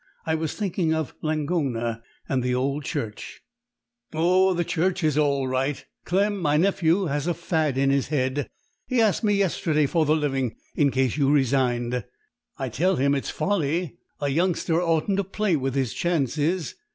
I was thinking of Langona and the old church." "Oh, the church is all right! Clem my nephew has a fad in his head. He asked me yesterday for the living in case you resigned. I tell him it's folly; a youngster oughtn't to play with his chances.